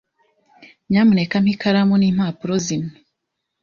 Nyamuneka mpa ikaramu n'impapuro zimwe.